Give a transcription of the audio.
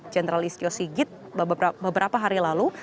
jenderalist yosigit beberapa hari lalu